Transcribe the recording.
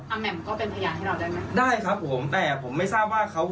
แหม่มก็เป็นพยานให้เราได้ไหมได้ครับผมแต่ผมไม่ทราบว่าเขา